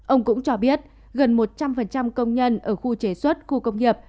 ông cũng cho biết gần một trăm linh công nhân ở khu chế xuất khu công nghiệp